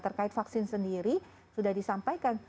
terkait vaksin sendiri sudah disampaikan